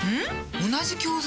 同じ教材？